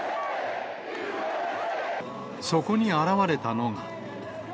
そこに現れたのが。